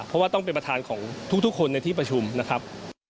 เพราะว่าต้องเป็นประธานของทุกคนในที่ประชุมนะครับ